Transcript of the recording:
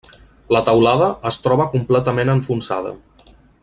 La teulada es troba completament enfonsada.